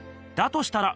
としたら